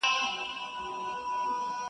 له ارغوان تر لاله زار ښکلی دی-